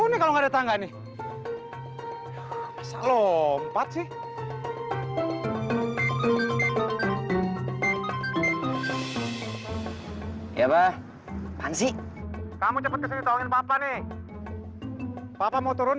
turun kalau ada tangga nih lompat sih ya pak pansy kamu cepet tolong papa nih papa mau turun